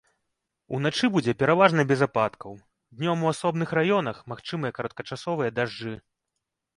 Уначы будзе пераважна без ападкаў, днём у асобных раёнах магчымыя кароткачасовыя дажджы.